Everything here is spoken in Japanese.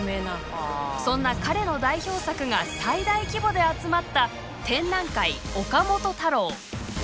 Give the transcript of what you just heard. そんな彼の代表作が最大規模で集まった「展覧会岡本太郎」。